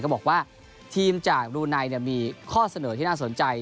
บอกว่าทีมจากบรูไนมีข้อเสนอที่น่าสนใจ